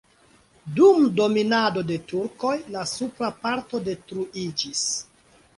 Dum dominado de turkoj la supra parto detruiĝis.